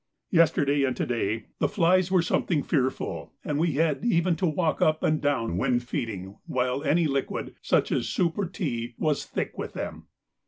Yesterday and to day the flies were something fearful, and we had even to walk up and down when feeding, while any liquid, such as soup or tea, was thick with them.